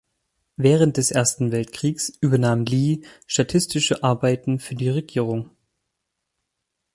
Während des Ersten Weltkriegs übernahm Lee statistische Arbeiten für die Regierung.